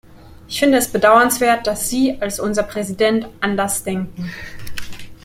Ich finde es bedauernswert, dass Sie, als unser Präsident, anders denken.